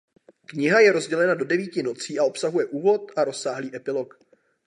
Kniha je rozdělena do devíti nocí a obsahuje úvod a rozsáhlý epilog.